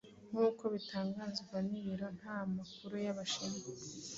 nkuko bitangazwa n’Ibiro ntamakuru by’Abashinwa